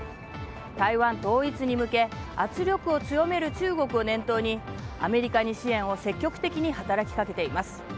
台湾統一に向け圧力を強める中国を念頭にアメリカに支援を積極的に働きかけています。